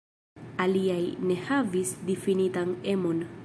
Aliaj ne havis difinitan emon.